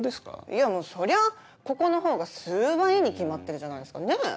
いやもうそりゃここのほうが数倍いいに決まってるじゃないですか。ねぇ？